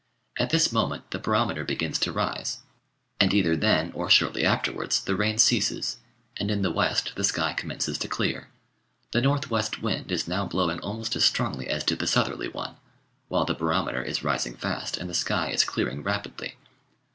At this moment the barometer begins to rise, and either then or shortly afterwards the rain ceases, and in the west the sky com mences to clear. The north west wind is now blowing almost as strongly as did the southerly one, while the barometer is rising fast and the sky is clearing rapidly.